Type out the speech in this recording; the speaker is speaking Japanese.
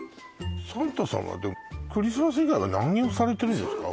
サンタさんはでもクリスマス以外は何をされてるんですか？